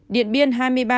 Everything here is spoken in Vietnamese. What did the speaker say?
điện biên hai mươi ba